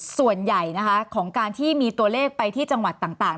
ส่วนใหญ่นะคะของการที่มีตัวเลขไปที่จังหวัดต่าง